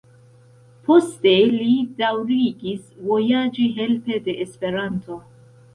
Poste li daŭrigis vojaĝi helpe de Esperanto.